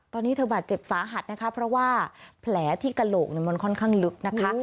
ตอนนี้เธอบาดเจ็บสาหัสนะคะเพราะว่าแผลที่กระโหลกมันค่อนข้างลึกนะคะ